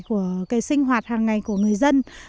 của cái sinh hoạt hàng ngày của người dân